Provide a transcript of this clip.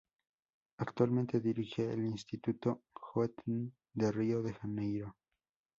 Actualmente dirige el Instituto Goethe de Río de Janeiro.